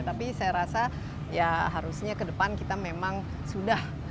tapi saya rasa ya harusnya kedepan kita memang sudah